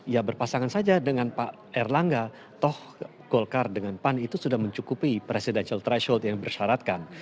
ya berpasangan saja dengan pak erlangga toh golkar dengan pan itu sudah mencukupi presidential threshold yang dipersyaratkan